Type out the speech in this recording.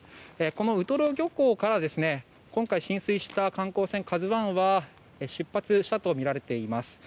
このウトロ漁港から今回、浸水した観光船「ＫＡＺＵ１」は出発したとみられています。